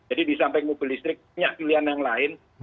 jadi di samping mobil listrik punya pilihan yang lain